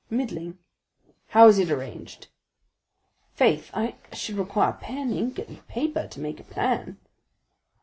"Middling." "How is it arranged?" "Faith, I should require pen, ink, and paper to make a plan."